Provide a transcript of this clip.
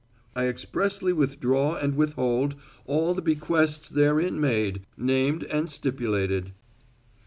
I expressly withdraw and withhold all the bequests therein made, named and stipulated."